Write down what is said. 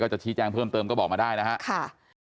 จะชี้แจ้งเพิ่มเติมก็บอกมาได้นะครับ